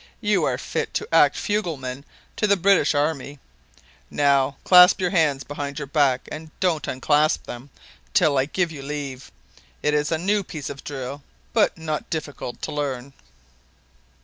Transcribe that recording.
"You are fit to act fugleman to the British army. Now, clasp your hands behind your back, and don't unclasp them till I give you leave. It's a new piece of drill but not difficult to learn."